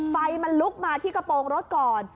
ไฟมันลุกมาที่กระโปรงรถก่อน